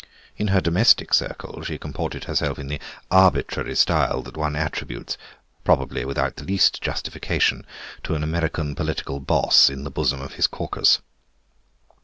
In her domestic circle she comported herself in the arbitrary style that one attributes, probably without the least justification, to an American political Boss in the bosom of his caucus.